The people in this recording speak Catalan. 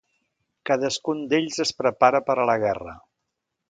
Cadascun d'ells es prepara per a la guerra.